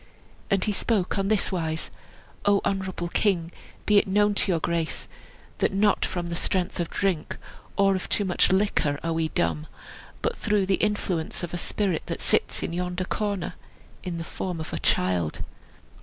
And he spoke on this wise: "O honorable king, be it known to your grace that not from the strength of drink, or of too much liquor, are we dumb, but through the influence of a spirit that sits in the corner yonder, in the form of a child."